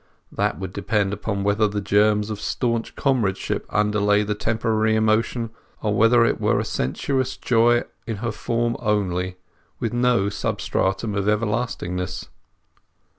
That would depend upon whether the germs of staunch comradeship underlay the temporary emotion, or whether it were a sensuous joy in her form only, with no substratum of everlastingness.